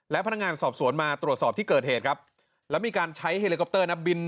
และพนักงานสอบสวนมาตรวจสอบที่เกิดเหตุครับแล้วมีการใช้เฮลิคอปเตอร์นะบิน